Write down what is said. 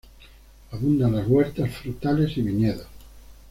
Abundan las huertas, frutales y viñedos.